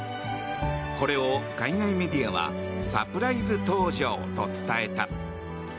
これを海外メディアはサプライズ登場と伝えた。